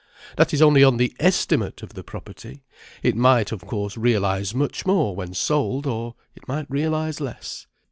"That is only on the estimate of the property. It might, of course, realize much more, when sold—or it might realize less."